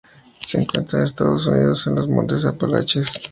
Se encuentra en los Estados Unidos en los Montes Apalaches.